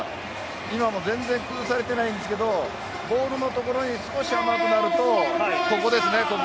今も全然工夫されていないんですがボールのところに少し甘くなるとここですね。